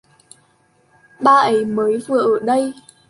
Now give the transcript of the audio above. Ba ấy mới vừa ở đây